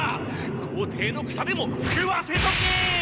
校庭の草でも食わせとけ！